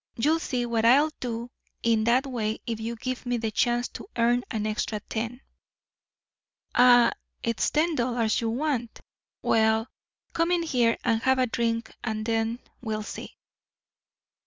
You'll see what I'll do in that way if you give me the chance to earn an extra ten." "Ah, it's ten dollars you want. Well, come in here and have a drink and then we'll see."